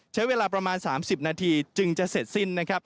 ใช้เวลาประมาณ๓๐นาทีจึงจะเสร็จสิ้นนะครับ